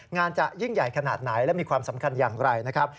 จะยิ่งใหญ่ขนาดไหนและมีความสำคัญอย่างไรนะครับ